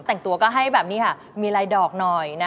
แต่งตัวก็ให้แบบนี้ค่ะมีลายดอกหน่อยนะ